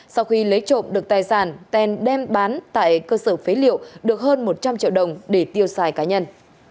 sau khi lấy trộm được tài sản tèn đem bán tại cơ sở phế liệu được hơn một trăm linh triệu đồng để tiêu xài cá nhân